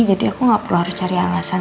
jadi aku gak perlu harus cari alasan